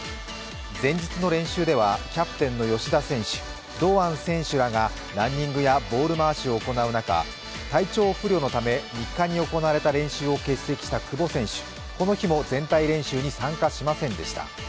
前日の練習ではキャプテンの吉田選手、堂安選手らがランニングやボール回しを行う中、体調不良のため３日に行われた練習を結果した久保選手、この日も全体練習に参加しませんでした。